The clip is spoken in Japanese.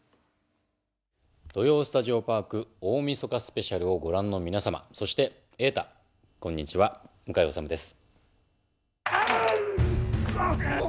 「土曜スタジオパーク大みそかスペシャル」をご覧の皆様、そして瑛太こんにちは、向井理です。